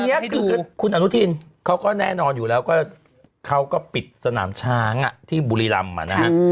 อันนี้คือคุณอนุทินเขาก็แน่นอนอยู่แล้วก็เขาก็ปิดสนามช้างที่บุรีรำนะฮะ